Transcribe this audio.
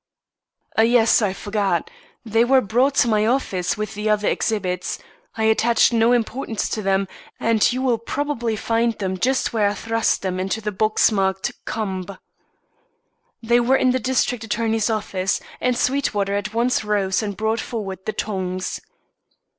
"Yes, I forgot; they were brought to my office, with the other exhibits. I attached no importance to them, and you will probably find them just where I thrust them into the box marked 'Cumb.'" They were in the district attorney's office, and Sweetwater at once rose and brought forward the tongs.